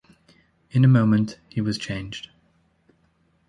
In a moment he was changed.